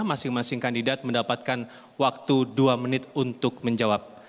masing masing kandidat mendapatkan waktu dua menit untuk menjawab